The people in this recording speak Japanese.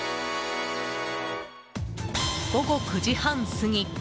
午後９時半過ぎ